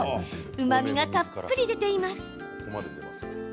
うまみがたっぷり出ています。